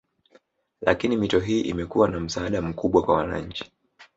Lakini mito hii imekuwa na msaada mkubwa kwa wananchi